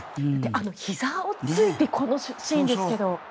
あのひざをついてのシーンですけど。